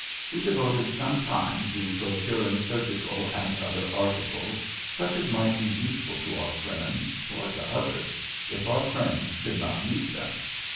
We devoted some time to procuring surgical and other articles, such as might be useful to our friends, or to others, if our friends should not need them.